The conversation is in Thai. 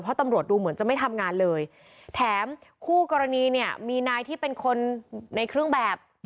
เพราะตำรวจดูเหมือนจะไม่ทำงานเลยแถมคู่กรณีเนี่ยมีนายที่เป็นคนในเครื่องแบบ